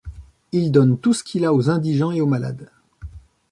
Il donne tout ce qu’il a aux indigents et aux malades.